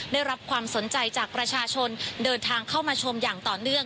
ได้รับความสนใจจากประชาชนเดินทางเข้ามาชมอย่างต่อเนื่อง